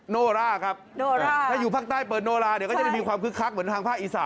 โนราครับถ้าอยู่ภาคใต้เปิดโนราจะมีคิดคลักเหมือนทางภาคอีสาน